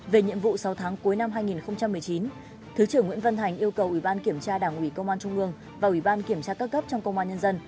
về nhiệm vụ sáu tháng cuối năm hai nghìn một mươi chín thứ trưởng nguyễn văn thành yêu cầu ủy ban kiểm tra đảng ủy công an trung ương và ủy ban kiểm tra các cấp trong công an nhân dân